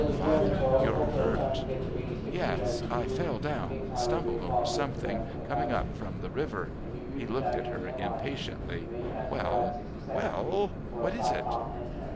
"Father, you're hurt!" "Yes, I fell down stumbled over something, coming up from the river." He looked at her impatiently. "Well, well, what is it?"